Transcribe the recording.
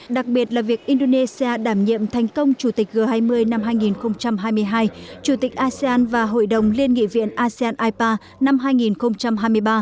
đặc biệt là việc indonesia đảm nhiệm thành công chủ tịch g hai mươi năm hai nghìn hai mươi hai chủ tịch asean và hội đồng liên nghị viện asean ipa năm hai nghìn hai mươi ba